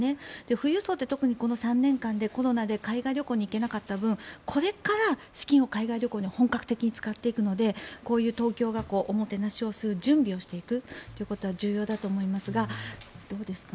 富裕層って特にこの３年間でコロナで海外旅行に行けなかった分これから資金を海外旅行に本格的に使っていくのでこういう東京がおもてなしをする準備をしていくということは重要だと思いますがどうですか？